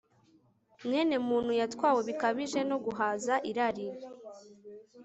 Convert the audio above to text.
Mwenemuntu yatwawe bikabije no guhaza irari